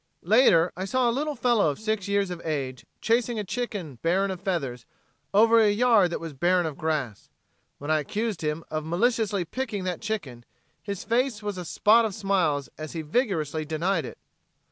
Later I saw a little fellow of six years of age chasing a chicken barren of feathers over a yard that was barren of grass. When I accused him of maliciously picking that chicken, his face was a spot of smiles as he vigorously denied it.